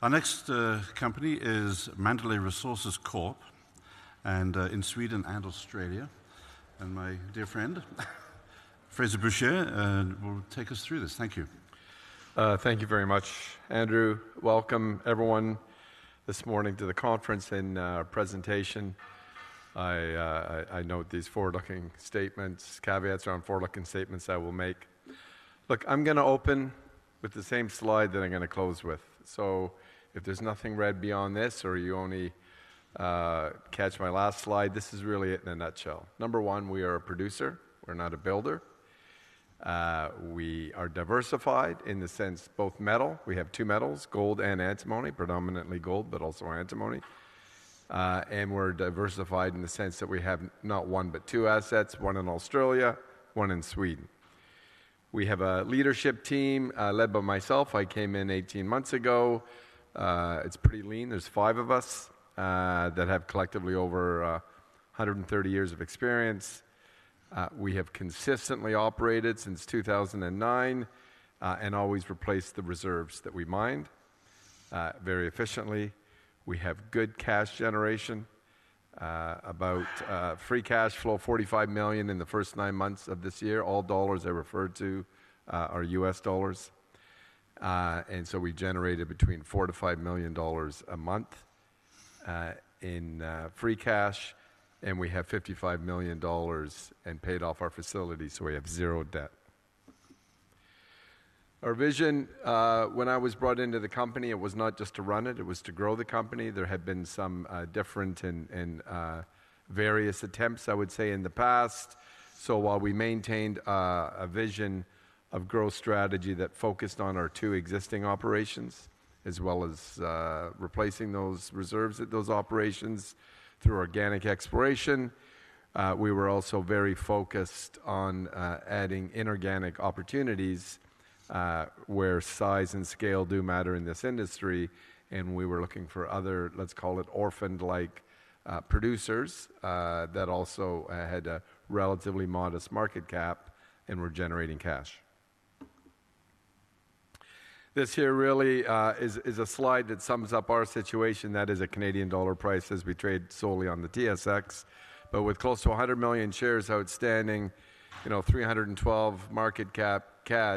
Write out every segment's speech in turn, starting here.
Our next company is Mandalay Resources Corp, and in Sweden and Australia, and my dear friend, Frazer Bourchier, will take us through this. Thank you. Thank you very much, Andrew. Welcome, everyone, this morning to the conference and our presentation. I note these forward-looking statements, caveats around forward-looking statements I will make. Look, I'm going to open with the same slide that I'm going to close with. So if there's nothing read beyond this, or you only catch my last slide, this is really it in a nutshell. Number one, we are a producer. We're not a builder. We are diversified in the sense both metal. We have two metals: gold and antimony, predominantly gold, but also antimony. And we're diversified in the sense that we have not one but two assets, one in Australia, one in Sweden. We have a leadership team led by myself. I came in 18 months ago. It's pretty lean. There's five of us that have collectively over 130 years of experience. We have consistently operated since 2009 and always replaced the reserves that we mined very efficiently. We have good cash generation, about free cash flow, $45 million in the first nine months of this year. All dollars I referred to are US dollars. And so we generated between $4 million to $5 million a month in free cash, and we have $55 million and paid off our facilities, so we have zero debt. Our vision, when I was brought into the company, it was not just to run it. It was to grow the company. There had been some different and various attempts, I would say, in the past. So while we maintained a vision of growth strategy that focused on our two existing operations, as well as replacing those reserves at those operations through organic exploration, we were also very focused on adding inorganic opportunities where size and scale do matter in this industry. And we were looking for other, let's call it orphaned-like producers that also had a relatively modest market cap and were generating cash. This here really is a slide that sums up our situation. That is a Canadian dollar price as we trade solely on the TSX. But with close to 100 million shares outstanding, you know, 312 market cap,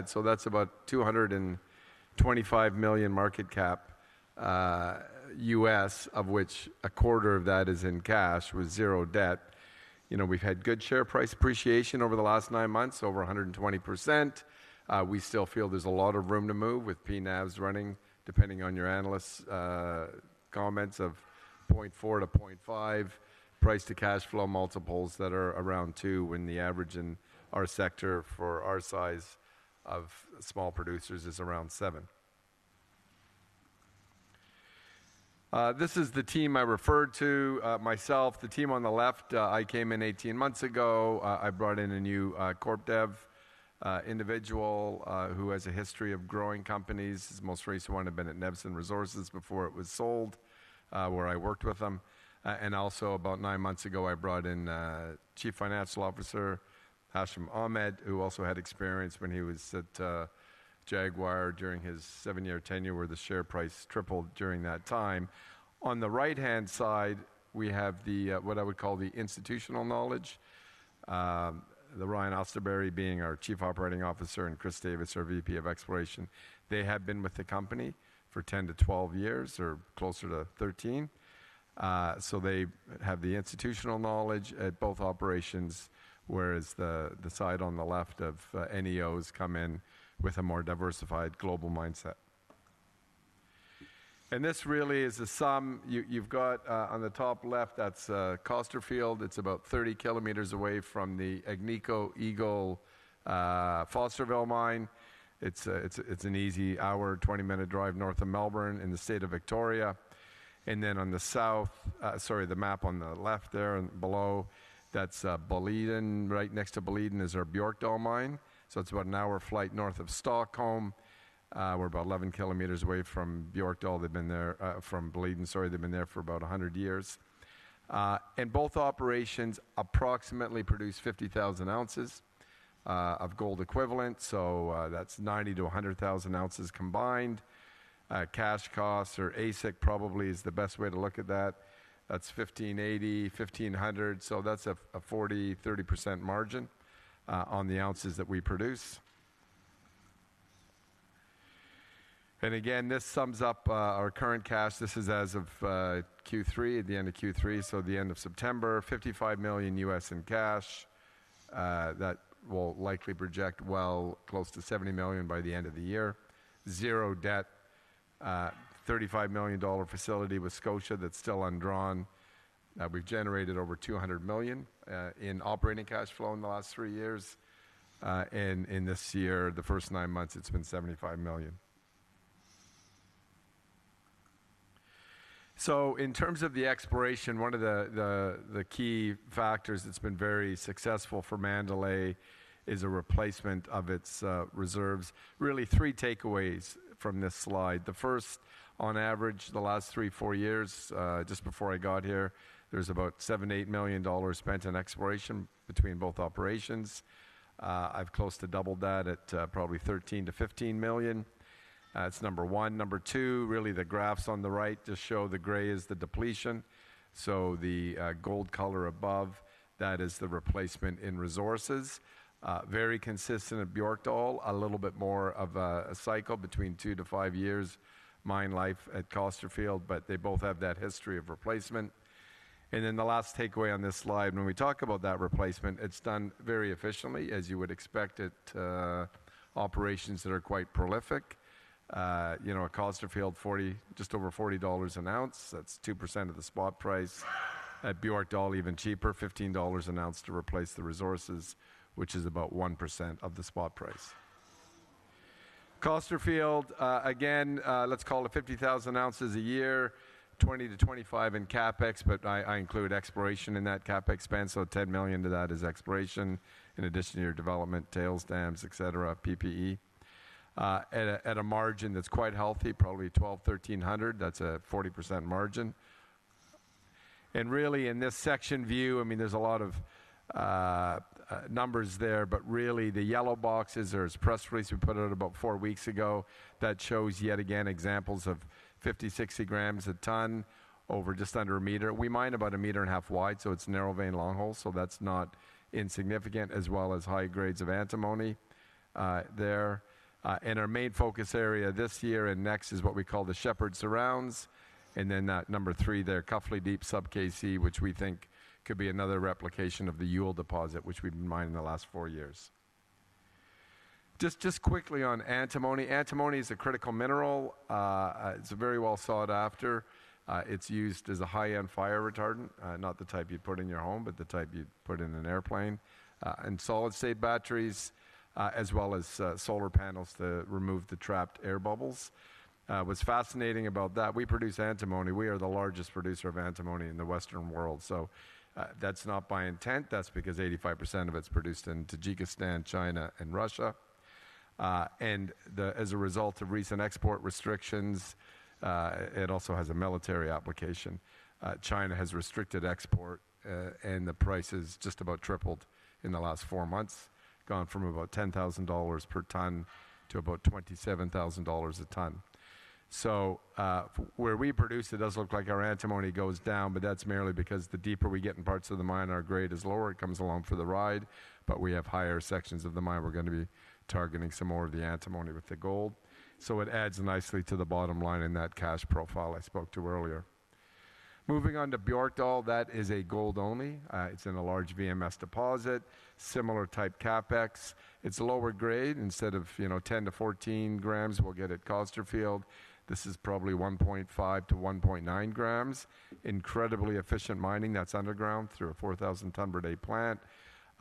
so that's about $225 million market cap, of which a quarter of that is in cash with zero debt. You know, we've had good share price appreciation over the last nine months, over 120%. We still feel there's a lot of room to move with P/NAVs running, depending on your analysts' comments of 0.4-0.5 price to cash flow multiples that are around two when the average in our sector for our size of small producers is around seven. This is the team I referred to myself. The team on the left, I came in 18 months ago. I brought in a new corp dev individual who has a history of growing companies. His most recent one had been at Nevsun Resources before it was sold, where I worked with them. Also about nine months ago, I brought in Chief Financial Officer Hashim Ahmed, who also had experience when he was at Jaguar during his seven-year tenure, where the share price tripled during that time. On the right-hand side, we have what I would call the institutional knowledge, the Ryan Austerberry being our Chief Operating Officer and Chris Davis, our VP of Exploration. They have been with the company for 10-12 years or closer to 13. So they have the institutional knowledge at both operations, whereas the side on the left of NEOs come in with a more diversified global mindset. And this really is a sum. You've got on the top left, that's Costerfield. It's about 30 km away from the Agnico Eagle Fosterville mine. It's an easy hour, 20-minute drive north of Melbourne in the state of Victoria. And then on the south, sorry, the map on the left there and below, that's Boliden. Right next to Boliden is our Björkdal mine. So it's about an hour flight north of Stockholm. We're about 11 km away from Björkdal. They've been there from Boliden, sorry, they've been there for about 100 years. And both operations approximately produce 50,000 ounces of gold equivalent. So that's 90-100,000 ounces combined. Cash costs or AISC probably is the best way to look at that. That's $1,580-$1,500. So that's a 40, 30% margin on the ounces that we produce. And again, this sums up our current cash. This is as of Q3, at the end of Q3, so the end of September, $55 million in cash that will likely project well close to $70 million by the end of the year. Zero debt, $35 million facility with Scotia that's still undrawn. We've generated over $200 million in operating cash flow in the last three years. And in this year, the first nine months, it's been $75 million. So in terms of the exploration, one of the key factors that's been very successful for Mandalay is a replacement of its reserves. Really, three takeaways from this slide. The first, on average, the last three, four years, just before I got here, there's about $7-$8 million spent in exploration between both operations. I've close to doubled that at probably $13-$15 million. That's number one. Number two, really the graphs on the right just show the gray is the depletion. So the gold color above, that is the replacement in resources. Very consistent at Björkdal, a little bit more of a cycle between two to five years mine life at Costerfield, but they both have that history of replacement. And then the last takeaway on this slide, when we talk about that replacement, it's done very efficiently, as you would expect it, operations that are quite prolific. You know, at Costerfield, just over $40 an ounce. That's 2% of the spot price. At Björkdal, even cheaper, $15 an ounce to replace the resources, which is about 1% of the spot price. Costerfield, again, let's call it 50,000 ounces a year, $20-$25 in CapEx, but I include exploration in that CapEx spend. So $10 million to that is exploration, in addition to your development, tailings dams, et cetera, PPE. At a margin that's quite healthy, probably $1,200-$1,300, that's a 40% margin. Really, in this section view, I mean, there's a lot of numbers there, but really the yellow boxes, there's press release we put out about four weeks ago that shows yet again examples of 50, 60 grams a ton over just under a meter. We mine about a meter and a half wide, so it's narrow-vein long holes, so that's not insignificant, as well as high grades of antimony there. Our main focus area this year and next is what we call the Shepherd Surrounds. That number three there, Cuffley Deeps Sub-KC, which we think could be another replication of the Youle deposit, which we've mined in the last four years. Just quickly on antimony, antimony is a critical mineral. It's very well sought after. It's used as a high-end fire retardant, not the type you'd put in your home, but the type you'd put in an airplane, and solid-state batteries, as well as solar panels to remove the trapped air bubbles. What's fascinating about that, we produce antimony. We are the largest producer of antimony in the Western world, that's not by intent. That's because 85% of it's produced in Tajikistan, China, and Russia, and as a result of recent export restrictions, it also has a military application. China has restricted export, and the price has just about tripled in the last four months, gone from about $10,000 per ton to about $27,000 a ton. Where we produce, it does look like our antimony goes down, but that's merely because the deeper we get in parts of the mine, our grade is lower. It comes along for the ride, but we have higher sections of the mine. We're going to be targeting some more of the antimony with the gold. So it adds nicely to the bottom line in that cash profile I spoke to earlier. Moving on to Björkdal, that is a gold only. It's in a large VMS deposit, similar type CapEx. It's lower grade. Instead of 10-14 grams we'll get at Costerfield. This is probably 1.5-1.9 grams. Incredibly efficient mining. That's underground through a 4,000 ton per day plant.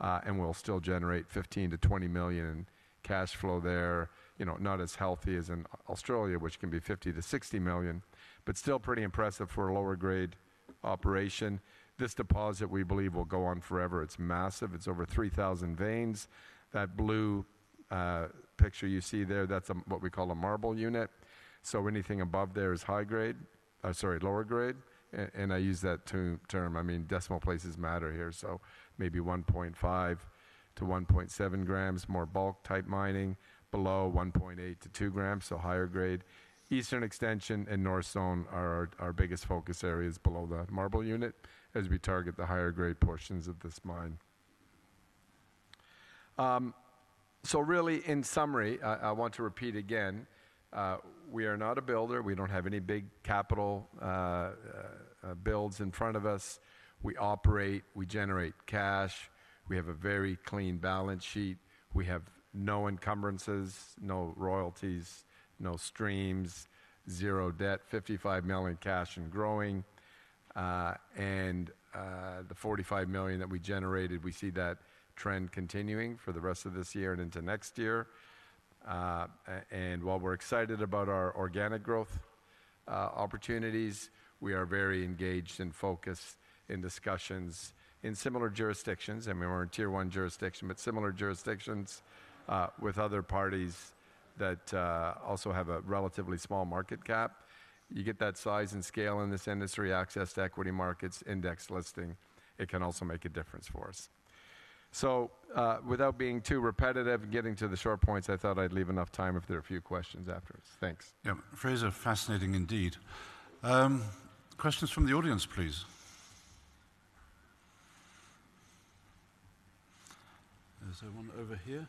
And we'll still generate $15-20 million in cash flow there. You know, not as healthy as in Australia, which can be $50-60 million, but still pretty impressive for a lower-grade operation. This deposit, we believe, will go on forever. It's massive. It's over 3,000 veins. That blue picture you see there, that's what we call a marble unit. So anything above there is high grade, sorry, lower grade. And I use that term, I mean, decimal places matter here. So maybe 1.5-1.7 grams, more bulk type mining. Below, 1.8-2 grams, so higher grade. Eastern Extension and North Zone are our biggest focus areas below that marble unit as we target the higher grade portions of this mine. So really, in summary, I want to repeat again, we are not a builder. We don't have any big capital builds in front of us. We operate, we generate cash. We have a very clean balance sheet. We have no encumbrances, no royalties, no streams, zero debt, $55 million cash and growing. And the $45 million that we generated, we see that trend continuing for the rest of this year and into next year. While we're excited about our organic growth opportunities, we are very engaged and focused in discussions in similar jurisdictions. I mean, we're in tier one jurisdiction, but similar jurisdictions with other parties that also have a relatively small market cap. You get that size and scale in this industry, access to equity markets, index listing. It can also make a difference for us. So without being too repetitive and getting to the short points, I thought I'd leave enough time if there are a few questions afterwards. Thanks. Yeah, phrases are fascinating indeed. Questions from the audience, please. There's one over here.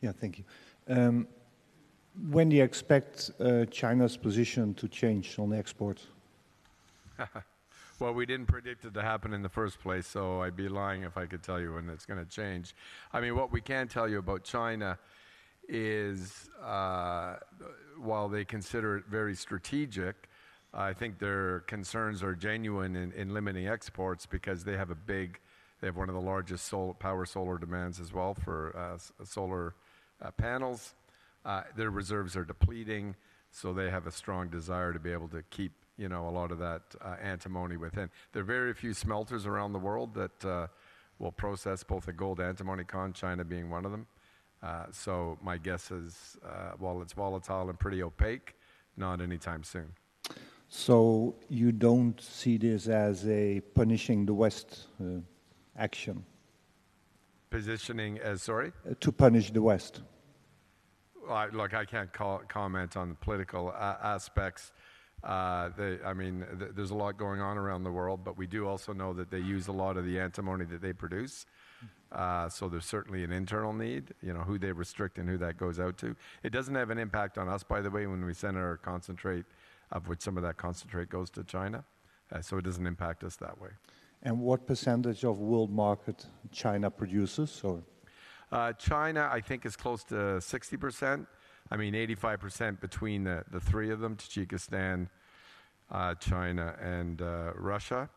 Yeah, thank you. When do you expect China's position to change on exports? Well, we didn't predict it to happen in the first place, so I'd be lying if I could tell you when it's going to change. I mean, what we can tell you about China is, while they consider it very strategic, I think their concerns are genuine in limiting exports because they have a big, they have one of the largest power solar demands as well for solar panels. Their reserves are depleting, so they have a strong desire to be able to keep, you know, a lot of that antimony within. There are very few smelters around the world that will process both the gold antimony con, China being one of them. So my guess is, while it's volatile and pretty opaque, not anytime soon. So you don't see this as a punishing the West action? Positioning as, sorry? To punish the West. Look, I can't comment on the political aspects. I mean, there's a lot going on around the world, but we do also know that they use a lot of the antimony that they produce. So there's certainly an internal need, you know, who they restrict and who that goes out to. It doesn't have an impact on us, by the way, when we send our concentrate, of which some of that concentrate goes to China. So it doesn't impact us that way. And what percentage of world market China produces? China I think is close to 60%. I mean, 85% between the three of them, Tajikistan, China, and Russia.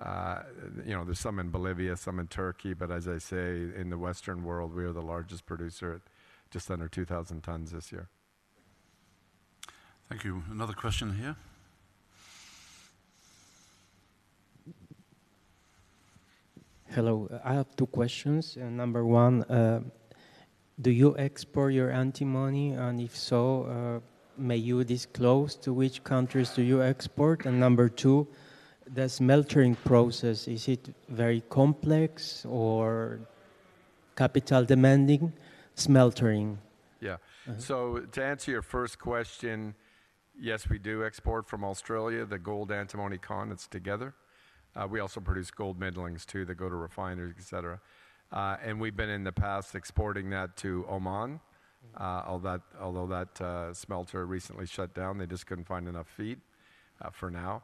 You know, there's some in Bolivia, some in Turkey, but as I say, in the Western world, we are the largest producer, just under 2,000 tons this year. Thank you. Another question here. Hello, I have two questions. Number one, do you export your antimony? And if so, may you disclose to which countries do you export? And number two, the smeltering process, is it very complex or capital demanding smeltering? Yeah. So to answer your first question, yes, we do export from Australia, the gold antimony concentrate that's together. We also produce gold middlings too that go to refineries, et cetera. And we've been in the past exporting that to Oman, although that smelter recently shut down. They just couldn't find enough feed for now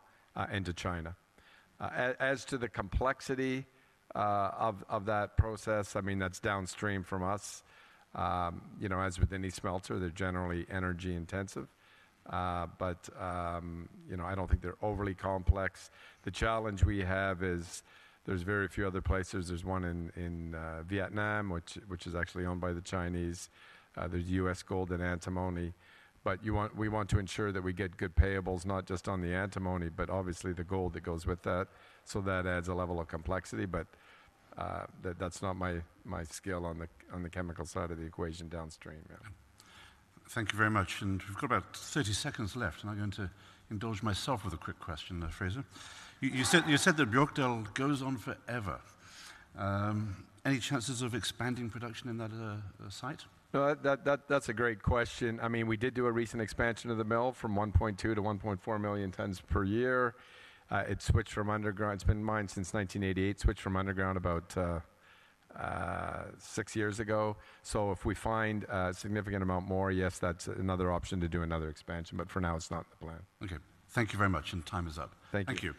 into China. As to the complexity of that process, I mean, that's downstream from us. You know, as with any smelter, they're generally energy intensive. But, you know, I don't think they're overly complex. The challenge we have is there's very few other places. There's one in Vietnam, which is actually owned by the Chinese. There's U.S. Antimony. But we want to ensure that we get good payables, not just on the antimony, but obviously the gold that goes with that. So that adds a level of complexity. But that's not my skill on the chemical side of the equation downstream. Thank you very much. And we've got about 30 seconds left. I'm not going to indulge myself with a quick question, Frazer. You said that Björkdal goes on forever. Any chances of expanding production in that site? That's a great question. I mean, we did do a recent expansion of the mill from 1.2-1.4 million tons per year. It's switched from underground. It's been mined since 1988, switched from underground about six years ago. So if we find a significant amount more, yes, that's another option to do another expansion. But for now, it's not the plan. Okay. Thank you very much. Time is up. Thank you. Thank you.